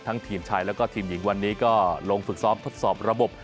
ทีมชายแล้วก็ทีมหญิงวันนี้ก็ลงฝึกซ้อมทดสอบระบบ